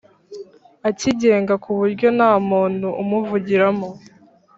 akigenga ku buryo ntamuntu umuvugiramo